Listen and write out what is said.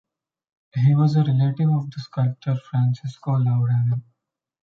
He was a relative of the sculptor Francesco Laurana.